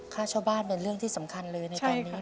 ค่าเช่าบ้านเป็นเรื่องที่สำคัญเลยในตอนนี้